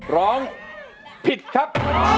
ร้องผิดครับ